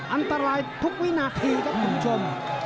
อันตรายทุกวินาทีครับคุณผู้ชม